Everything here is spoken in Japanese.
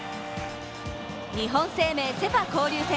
日本生命セ・パ交流戦。